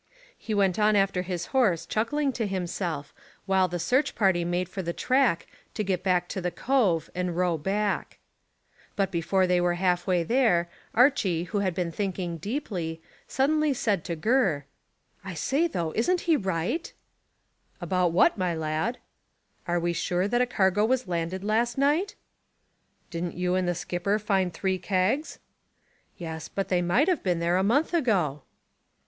He went on after his horse chuckling to himself, while the search party made for the track to get back to the cove and row back. But before they were half way there, Archy who had been thinking deeply, suddenly said to Gurr "I say, though, isn't he right?" "What about, my lad?" "Are we sure that a cargo was landed last night?" "Didn't you and the skipper find three kegs?" "Yes, but they might have been there a month ago."